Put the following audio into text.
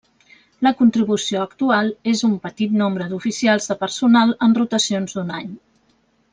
La contribució actual és un petit nombre d'oficials de personal en rotacions d'un any.